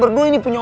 satu ini ps ya